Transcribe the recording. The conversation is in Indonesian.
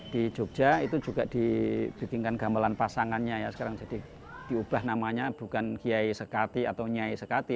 di jogja itu juga dibikinkan gamelan pasangannya ya sekarang jadi diubah namanya bukan kiai sekati atau nyai sekati